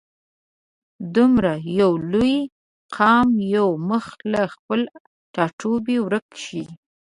دومره یو لوی قام یو مخ له خپل ټاټوبي ورک شي.